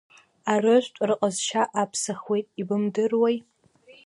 Арыжәтә рҟазшьа аԥсахуеит, ибымдыруеи.